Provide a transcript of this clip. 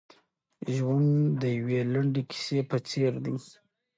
ژوند د یوې لنډې کیسې په څېر دی.